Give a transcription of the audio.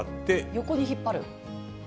横に引っ張る？